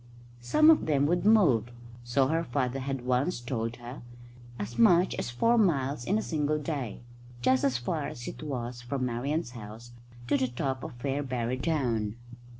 Some of them would move, so her father had once told her, as much as four miles in a single day, just as far as it was from Marian's house to the top of Fairbarrow Down.